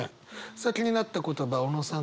さあ気になった言葉小野さん